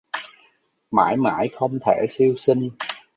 Mãi mãi không thể siêu sinh